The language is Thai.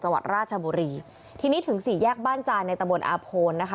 จังหวัดราชบุรีทีนี้ถึงสี่แยกบ้านจานในตะบนอาโพนนะคะ